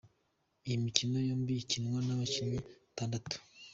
Iyi mikino yombi ikinwa n’abakinnyi batandatu.